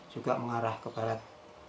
juga mengarah ke barat